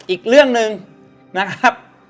อีกเรื่องหนึ่งนะครับ